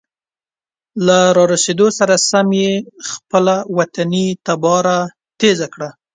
له را رسیدو سره سم یې خپله وطني تباره تیزه کړه.